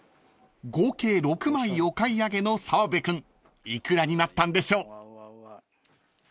［合計６枚お買い上げの澤部君幾らになったんでしょう］